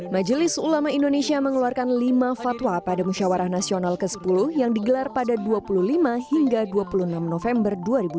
majelis ulama indonesia mengeluarkan lima fatwa pada musyawarah nasional ke sepuluh yang digelar pada dua puluh lima hingga dua puluh enam november dua ribu dua puluh